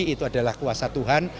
itu adalah kuasa tuhan